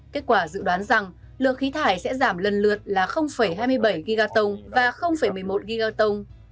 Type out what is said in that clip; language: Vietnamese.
kết quả dự đoán rằng lượng khí thải sẽ giảm lần lượt là hai mươi bảy gigaton và một mươi một gigaton